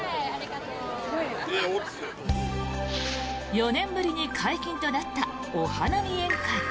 ４年ぶりに解禁となったお花見宴会。